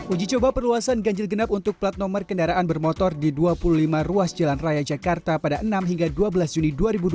uji coba perluasan ganjil genap untuk plat nomor kendaraan bermotor di dua puluh lima ruas jalan raya jakarta pada enam hingga dua belas juni dua ribu dua puluh